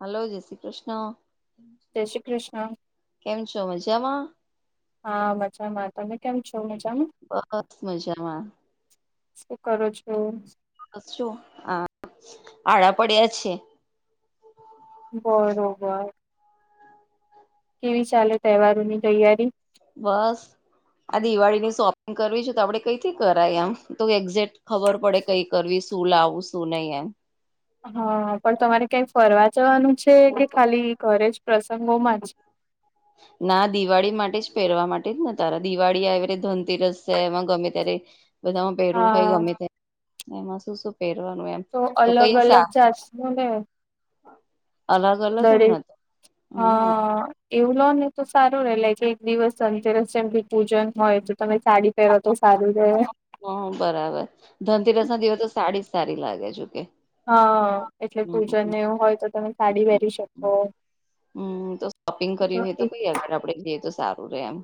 Hello જય શ્રી કૃષ્ણ જય શ્રી કૃષ્ણ કેમ છો મજામાં હા મજામાં તમે કેમ છો મજામાં બસ મજામાં શું કરો છો આ આડા પડિયા છે બરોબર કેવી ચાલે તહેવારો ની તૈયારી બસ આ દિવાળી ની શોપિંગ કરવી છે તો આપડે કઈથી કરાય આમ તો એક્ઝેક ખબર પડે કઈ કરવી શું લાવું શું નહી એમ હા પણ તમારે ક્યાંય ફરવા જવાનું છે કે ખાલી ઘરે જ પ્રસંગોમાં જ ના દિવાળી માટે જ પહેરવા માટે જ ન તારા દિવાળી આવે ધનતેરસ છે એમાં ગમે ત્યારે બધામાં પહેરવું હોય હા ગમે તે એમાં શું શું પહેરવાનું એમ તો અલગ કઈ અલગ સા ચાસ નુ ને અલગ અલગ બરે ને તો હા એવું લો ને તો સારું રે લાય કે એક દિવસ અંતરસ જેમ પૂજન હોય તો તમે સાડી. [unintelligible] તો સારું છે. હ બરાબર ધનતેરસ ના દિવસ તો સાડી જ સારી લાગે જો કે. હા એટલે પૂજનને એવું હોય તો તમે સાડી હમ વહેરી શકો. હમ હમ તો શોપિંગ કર્યું એ તો એક કઈ આગળ આપડે જઈએ તો સારું રે એમ.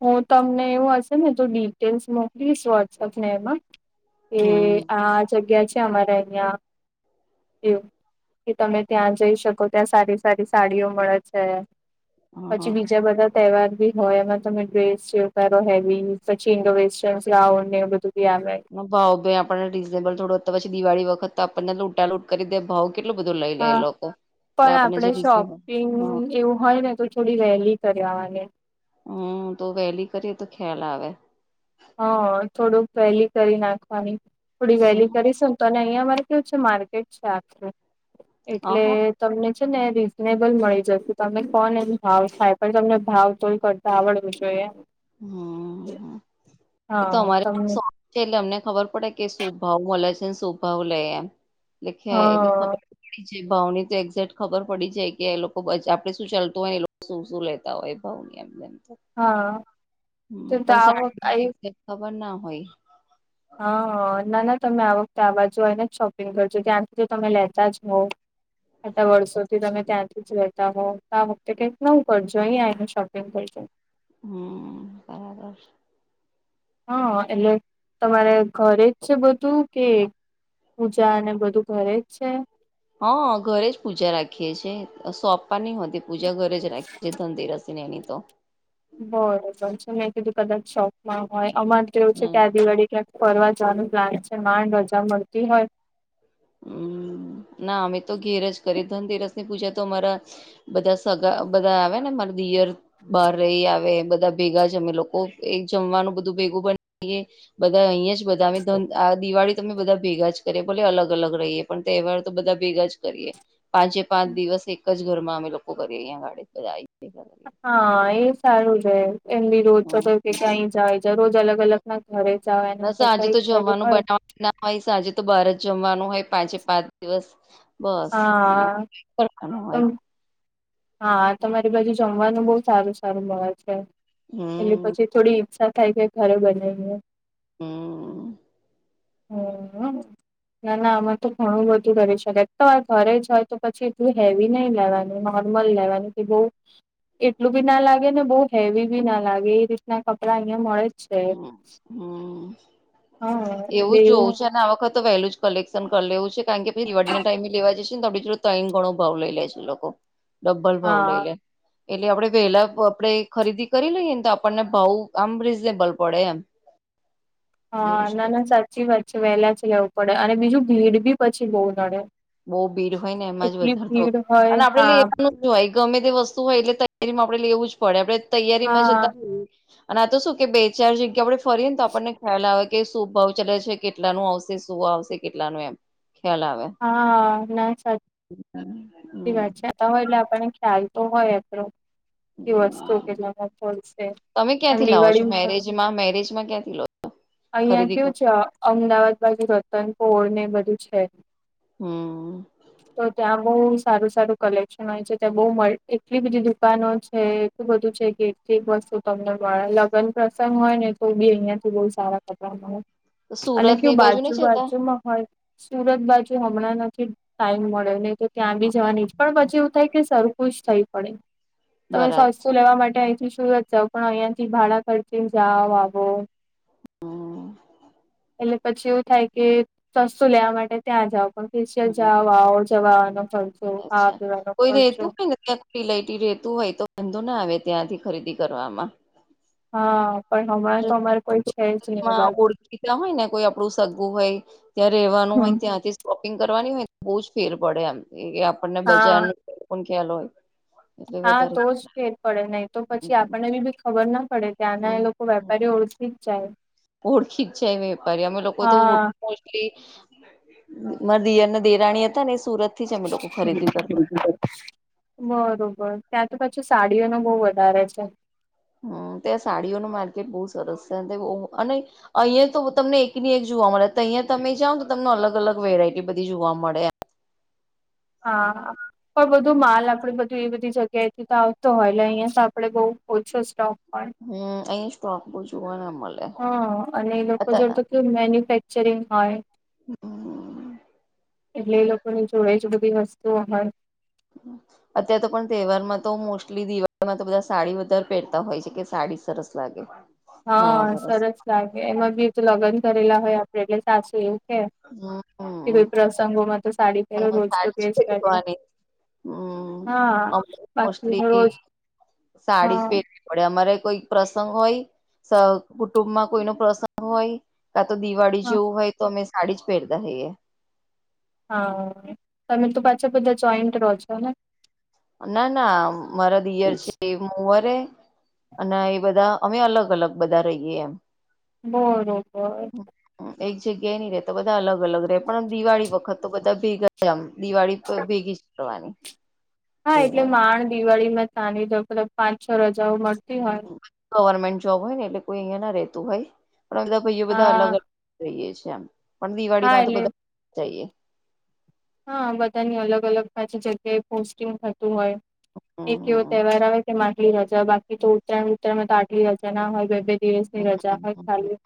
હું તમને એવું હશે ને તો ડિટેલ્સ મોકલીશ [unintelligible] ને એમાં. એ હમ આ જગ્યા છે, અમારે અહં. એવુ કે તમે ત્યાં જઈ શકો ત્યાં સારી સારી સાડીઓ મળે છે. હ પછી બીજા બધા તહેવાર ભી હોય એમાં. તમે [unintelligible] [unintelligible] એવું બધું બી. ભાવ ભાઈ આપણને રીઝનેબલ થોડું પછી દિવાળી વખત આપણને લૂટા લૂટ કરી દે ભાવ. [unintelligible] [unintelligible] એ હા લોકો. એટલે પણ આપણને જે આપણેે રીઝનેબલ શોપિંગ હ એવું હોય ને તો થોડી વેલી કરવાવાની. હમ તો વહેલી કરીએ તો ખ્યાલ આવે. હ થોડુંક વહેલી કરી નાખવાની થોડી હમ વહેલી કરી [unintelligible] તો અને અહિયાં મારે કેવુ છે, માર્કેટ છે, આખરે અહ એટલે. હમ તમને છે, ને એ રીઝનેબલ મળી જશે તમે કોણ એ ભાવ થાય પણ તમને ભાવ તોય કર. [unintelligible] હમ એ તો હા અમારે. તમને એટલે અમને ખબર પડે કે શુંભાવ મળલા છે, ને શુંભાવ લે એમ એટલે [unintelligible] એટલે હા ખબર. ભાવની તો એક્ઝેક્ટ ખબર પડી જાય કે એ લોકો આપડે શું ચાલતું હોય એ લોકો શું શું લે. હોય ભાવ ની એમનેમ. હા. હમ તો તો આ વખતે પણ ખબર ના હોય. હા ના ના તમે આ વખતે આવા જને જ શોપિંગ કરજો ત્યાંથી જો તમે લેતા જ હોવ. આટલા વર્ષોથી તમે ત્યાંથી જ રહેતા હો તો આ વખતે કંઈક નવું કરજો અહીં આવીને શોપિંગ કરજો. હ બરાબર છે. હા એટલે તમારે ઘરે જ છે, બધું કે. પૂજા અને બધું ઘરે જ છે. હા ઘરે જ પૂજા રાખીએ છીએ સોંપવાની હોતી પૂજા ઘરે જ રાખી છીએ ધંનતેરસી ને એની તો. બરોબર છે, મેં કીધું કદાચ ચોકમાં હોય અમાર કેવું છે, ના [unintelligible] ના. આ દિવાળી ક્યાંક. ફરવા જવાનું પ્લાન છે, ન રજા મળતી હોય. હમ ના અમે તો ઘેર જ કરીએ ધનતેરસ ની પૂજા તો અમારા. બધા સગા બધા આવે ને મારા દિયર. બહાર રહી આવે બધા ભેગા જમે લોકો એક જમવાનું બધું ભેગું [unintelligible] બધા અહીં જ બધા અમે [unintelligible] આ દિવાળી તમે બધા ભેગા જ કરે બોલે અલગ. અલગ રહીએ પણ તહેવાર તો બધા ભેગા જ કરીએ. પાંચે પાંચ દિવસ એક જ ઘર માં અમે લોકો કરીએ અહી હા એ સારું છે, એમ બી રોજ પ હમ કે ક્યાય જાય જ રોજ અલગ અલગ. ના ઘરે જવાનર ના સાંજે કઈ તો ઘરે જમવાનું મળે. બનાવાનું ના હોય સાંજે તો બાર જ જમવાનું હોય પાંચે પાંચ દિવસ બસ. [inaudible] હા તમ હા તમારી બાજુ જમવાનું બહુ સારું સારું [unintelligible] છે, એટલે હમ પછી. થોડી ઈચ્છા થાય કે ઘરે બનાવીએ. હમ. હમ્મ ના ના આમાં તો ઘણું બધું કરી શકાય તો આ ઘરે જ હોય તો પછી એટલું હેવી નહી લેવાનું. લેવાની [unintelligible] એટલું બી ના લાગે ને બહુ હેવી બી ના લાગે એ રીતના કપડાં અહિયાં મળે છે, હમ હમ હા એવું જ બેવું જોવું છે અને આ વખત તો વહેલું જ કલેક્શન કરી લેવું છે કારણ કે [inaudible] દિવાળીના ટાઈમે લેવા જશે ને આપડી જોડે ત્રણ ઘણો ભાવ લઈ લે છે લોકો. ડબલ ભાવ હા લઈ લે. એટલે આપડે વહેલા આપડે ખરીદી કરી લઈએ ને તો આપણને ભાવ આમ રીઝનેબલ પડે એમ. હા એવું જ ના કરું ના સાચી વાત છે વહેલા જઈ આવું પડે અને બીજું ભીડ બી પછી બહુ નડે. બઉ ભીડ હોય ને એમાં જ એટલી વધારતો ભીડ હોય અને આપડે હા લેવાનું અય ગમે તે વસ્તુ હોય એટલે તૈયારીમાં આપડે લેવું જ પડે આપણે તૈયારીમાં હા જતા અને આ તો શું કે બે ચાર જગ્યા આપડે ફરીએ ને તો આપણને ખ્યાલ આવે. કે શું ભાવ ચાલે છે કેટલાનું આવશે શું આવશે કેટલાનું એમ ખ્યાલ આવે. હા ના વાત હમ છે હોય એટલે આપને ખ્યાલ તો હોય એટલો. એ વસ્તુ કેટલામાં ફોલ્ટ છે [inaudible] તમે ક્યાંથી લાવો છો હતી. મેરેજમાં મેરેજમાં ક્યાંથી લો અહિયાં ખરીદી કેવું કર છે અમદાવાદ બાજુ રતનપોળ ને એ બધું છે. હમ્મ તો ત્યાં બહુ સારું સારું કલેક્શન હોય છે, ત્યાં બહુ મ એટલી બધી દુકાનો છે. એ બધું છે કે એક એક વસ્તુ તમને મળે, લગ્ન પ્રસંગ હોય ને તો બી અહિયાં થી બહુ સારા અને સુરત કેવું ની ને બાજુ જતા બાજુમાં હોય સુરત બાજુ હમણાં નથી ટાઈમ મળ્યો નહી તો ત્યાં બી જવાની જ પણ પછી એવું થાય કે સા ખુશ થઈ પડે, બરાબર તમે શું લેવા માટે અહીંથી સુરત જઉ પણ અહિયાં થી ભાડા ખર્ચીને જાાવ આવો. હમ એટલે પછી એવું થાય કે સસ્તું લેવા માટે ત્યાં જાવ. ઓફિશિયલ જાવ આવ જવાનો ખર્ચો ખર્ચો. [inaudible] રેતુ હોય તો વાંધો ના આવે ત્યાંથી ખરીદી કરવામાં. હા પણ હમણાં તો અમારે કોઈ છે જ નહી એ મા બાજુ ઓળખીતા હોય ને કોઈ આપડું સગું હોય ત્યાં રહેવાનું હમ હોય ત્યાંથી જ શોપિંગ કરવાની હોય બહુ જ ફેર પડે એમ આપણને હા બજાર નો ખ્યાલ હોય. એટલે હા વધારે તો જ ફેર પડે નહી તો પછી હમ આપણને બી ખબર ના પડે. ત્યાંના એ લોકો વેપારીઓ ઓળખી જ જાય. ઓળખી જ જાય ને પર અમે લોકો તો હા મો એ મારા દિયર ના દેરાણી હતા ને સુરત થી જ અમે લોકો ખરીદી કરતા [unintelligible] બરોબર ત્યાં તો પછી સાડીઓ ને બહુ વધારે છે. હમ ત્યાં સાડીઓ નું માર્કેટ બહુ સરસ છે, અને અહીયાં તો તમને એક ની એક જોવા મળે તહિયા તમે જાઓ તો તમને અલગ-અલગ વેરાયટી બધી જોવા મળે. હા પણ બધું માલ આપડે બ તો એ બધી જગ્યાએ થી તો આવતો હોય એટલે અહિયાં તો આપડે બો ઓછો સ્ટોક હોય. હમ્મ અહીં સ્ટોક બહુ જોવા ના મલે. હા અને એ લોકો જોડે તો કેવું મેન્યુફેક્ચરિંગ હોય. એટલે એ લોકોની જોડે જ બધી વસ્તુઓ હોય. [unintelligible] અત્યારે તો પણ તહેવારમાં તો મોસ્ટલી દિવાળીમાં તો બધા સાડી વધારે પહેરતા હોય છે કે સાડી સરસ લાગે. નવા હા વરસ સરસ લાગે એમાં બી એ તો લગ્ન કરેલા હોય આપડે એટલે સાસુ એ કે હમ કોઈ પ્રસંગોમાં તો સાડી પહેરો રોજ તો સાડી જ ડ્રેસ પહેર્તા પહેરવાની હમ હા બાકી મોસ્ટલી રોજ. સાડી હા પે આપડે અમારે કોઈ પ્રસંગ હોય કુટુંબમાં કોઈ ન પ્રસંગ હોય. કા તો દિવાળી હા જેવું હોય તો અમે સાડી જ પહેરતા હઈએ. હા તમે તું પાછા બધા જોઈન્ટ રહો છો ને? ના ના મારા દિયર છે મોવારે અને એ બધા અમે અલગ અલગ બધા રહીએ એમ બરોબર એક જગ્યાએ નની રે તો બધા અલગ અલગ રહે પણ દિવાળી વખત તો બધા ભેગા આમ દિવાળી ભેગી જ કરવાની. હા એટલે તહેવાર માંણ દિવાળી માં તાની લલ પાંચ છ રજાઓ મળતી હોય, ગવર્મેન્ટ જોબ હોય ને એટલે કોઈ અહિયાં ના રહેતું હોય પણ બધા ભાઈ બધા હા અલગ અલ જઈએ છે આમ પણ દિવાળી હા માં તો એટલે બધા જઈએ હા બધાની અલગ અલગ પાછી જગ્યાએ પોસ્ટિંગ થતું હોય એક એવો હમ તહેવાર આવે કે આટલી રજા બાકી તો ઉત્તરાયણ ઉત્તરાણમાં તો આટલી રજા ના હોય દિવસે રજા હોય હમ ખાલી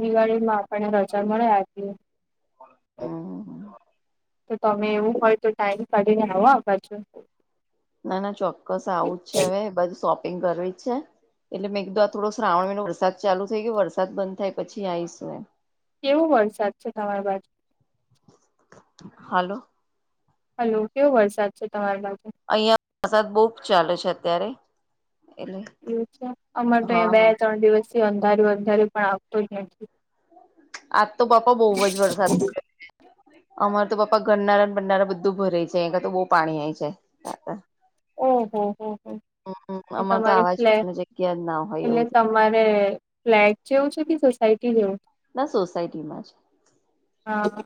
દિવાળી માં આપણને રજા મળે આઠ દી [inaudible] તો તમે એવું હોય તો ટાઈમ કાઢીને આવો બાજુ. ના ના ચોક્કસ આવું જ છે હવે બધ શોપિંગ કરવી જ છે એટલે મેં કીધું આ થોડો શ્રાવણ મહિનો વરસાદ ચાલુ થઈ ગયો વરસાદ બંધ થાય પછી આવીશું એમ કેવો વરસાદ છે તમાર બાજુ? હાલો! હલો કેવો વરસાદ છે તમારે બાજુ? અહિયાં પ્રસાદ બહુ ચાલે છે અત્યારે એટલે છે અમાર તો અ હા બે હા ત્રણ દિવસથી અંધારે અંધારે પણ આવતો જ નથી આજ તો બાપા બહુ જ વરસાદ પડે. અમાર તો પાપ્પા ગરનારાને બનનારા બધું ભરે છે એ તો બહ પાણી આયી જાય હ હા ઓહ હો હો એ અમારે તો તમારે આવા ફ્લેટ જવાની જગ્યા જ ના હોય એટલે એવું થાય તમારે? ફ્લેટ જેવું છે કે સોસાયટી જેવું છે? ના સોસાયટી માં જ હા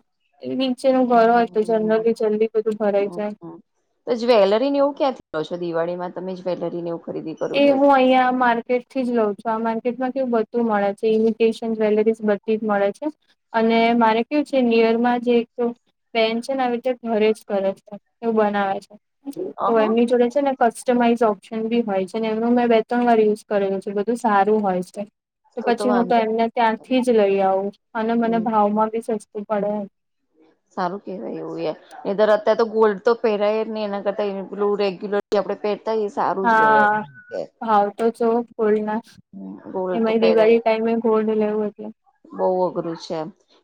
નીચેનું ઘર હોય તો હમ જનરલી જલ્દી બધું ભરાઈ હમ જાયવ હમ તો જ્વેલરી ને એવું ક્યાંથી લ્યો છો દિવાળીમાં તમે જ્વેલરીને એવું? ખરીદી કરવું હોય તો એવું અહીંયા માર્કેટ થી જ લઉં છું આ માર્કેટમાં કેવું બધું મળે છે ઇમિટેશન જ્વેલરીઝ બધી જ મળે છે અને મારે કયુ છે નીયરમાં જે એક તો બેન છે ને આવી રીતે ઘરે જ કરે છે એવું બનાવે છે. તો અહ એમની જોડે છે ને કસ્ટમાઈઝ ઓપ્શન બી હોય છે એનું મેં બે ત્રણ વાર યુઝ કરેલું છે બધું સારું હોય છે. તો પછી હું તો એમને ત્યાંથી જ લઈ આવું અને મને હમ ભાવમાં બી સસ્તું પડે સારું કહેવાય એવું એ નીતર અત્યારે તો ગોલ્ડ તો પહેરાય ને એના કરતા ઈન્કલુડ એકયુલેટ આપણે પહે તો ઈ સારૂ હા ભાવ તો છો બોલના ગોલ્ડ તો એમાંરી દિવાળી પહેરાય ટાઈમે? કોડ લેવું બહુ અઘરું છે.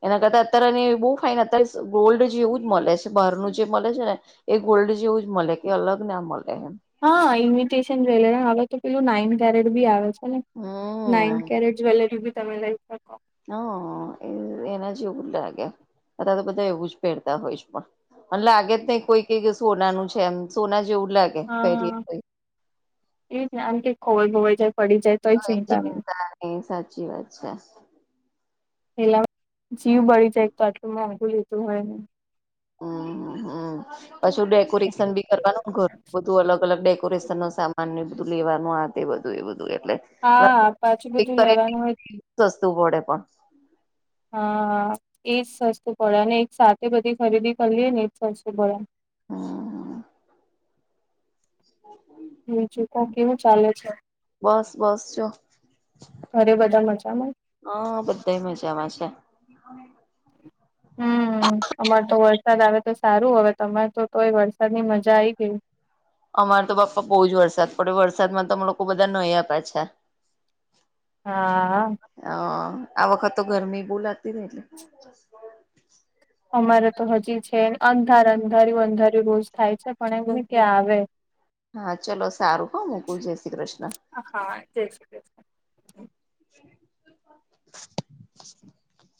એના કરતા અત્યારે બહુ ફાઇન અત્યારે ગોલ્ડ જેવું જ મળે છે બહારનું જે મળે છે ને? એ ગોલ્ડ જેવું જ મળે કે અલગ ના મળે એમ. હા ઇન્વીિટેશન જ્વેલરી હવે તો પેલું નાઈન કેરેટ બી આવે છે ને? હા નાઇન કેરેટ જ્વેલરી પણ તમે લઈ શકો છો. હા, એવું જ લાગે છે. બધા લોકો પણ એવું જ પહેરતા હોય છે, પણ લાગે જ નહીં, કે કોઈ કિધુ સોના જેવું જ લાગે. પહેરીએ હા, એ જ ન જો ખોવાઈ જાય કે પડી જાય તોય હા ચિંતા એકદમ નહી લાગે સાચી વાત છે. એટલે આમ જીવ બળી જાય આટલું મોંઘું લીધું હોય ન. [unintelligible] પછી ડેકોરેશન એટલે પણ કરવાનું હોય, અલગ-અલગ ડેકોરેશનનો સામાનને લેવાનું આ તે બધું એ એટલે. [inaudible] મળે હા પાછું બધું લેવાનું હોય પણ. હા, એ જ સસ્તું પડે. એક સાથે બધી ખરીદી કરી લઈએ તો પણ સસ્તું પડે. હમ્મ... હા. બીજું કો કેવું ચાલે છે બસ બસ, જો. ઘરે બધા મજામાં? હા, બધાય મજામાં છે. હા હમ્મ, અમારે તો વરસાદ આવે તો સારું હવે, તમારે તો વરસાદની મજા આવી ગઈ. અમારે તો બહુ જ વરસાદ પડ્યો. વરસાદમાં અમે બધા નાહ્યા પાછા. હા. હા, આ વખતે તો ગરમી બહુ લાગતી તીન. બ અમારે તો હજી છે અંધારું અંધારું અંધારિયું રોજ થાય છે પણ એમ હોય કે આવે. હા, ચાલો સારું હો મૂકુ, જય શ્રી કૃષ્ણ. હા, જય શ્રી કૃષ્ણ. અવાજ નથી આવતો